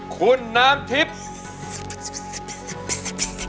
คุณน้ำทิพย์